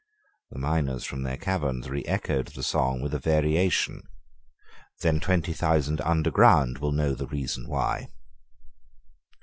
The miners from their caverns reechoed the song with a variation: "Then twenty thousand under ground will know the reason why."